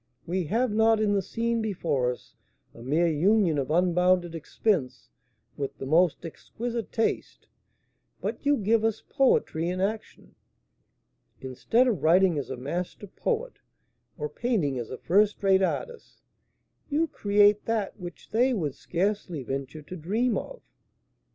We have not in the scene before us a mere union of unbounded expense with the most exquisite taste, but you give us poetry in action. Instead of writing as a master poet, or painting as a first rate artist, you create that which they would scarcely venture to dream of."